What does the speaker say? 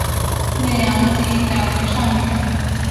隋炀帝改为上郡。